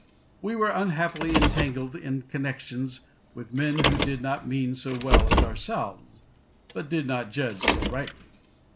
We were unhappily entangled in connections with men who did not mean so well as ourselves, or did not judge so rightly.